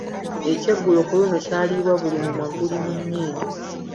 Ekyeggulo ku luno kyaliibwa buli mumwa guli mu nnyindo.